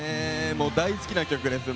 大好きな曲です。